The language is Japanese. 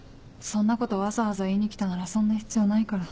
そんなことわざわざ言いに来たならそんな必要ないから。